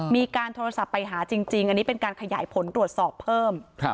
มีการโทรศัพท์ไปหาจริงอันนี้เป็นการขยายผลตรวจสอบเพิ่ม